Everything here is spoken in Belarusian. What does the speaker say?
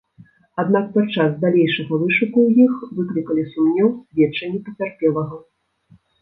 Аднак падчас далейшага вышуку ў іх выклікалі сумнеў сведчанні пацярпелага.